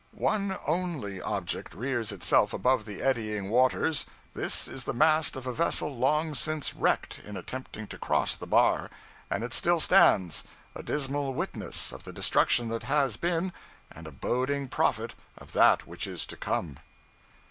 One only object rears itself above the eddying waters; this is the mast of a vessel long since wrecked in attempting to cross the bar, and it still stands, a dismal witness of the destruction that has been, and a boding prophet of that which is to come.'